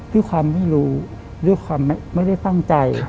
ด้วยความไม่รู้ด้วยความไม่ได้ตั้งใจ